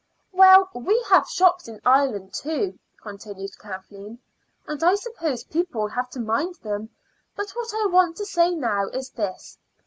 "Well, we have shops in Ireland too," continued Kathleen, "and I suppose people have to mind them. But what I want to say now is this.